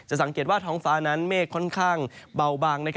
สังเกตว่าท้องฟ้านั้นเมฆค่อนข้างเบาบาง